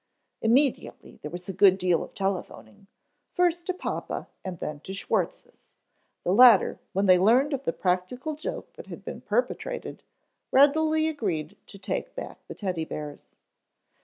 Immediately there was a good deal of telephoning, first to papa and then to Schwartz's; the latter, when they learned of the practical joke that had been perpetrated, readily agreed to take back the Teddy bears.